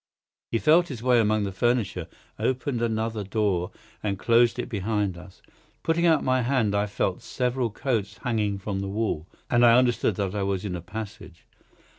He felt his way among the furniture, opened another door, and closed it behind us. Putting out my hand I felt several coats hanging from the wall, and I understood that I was in a passage.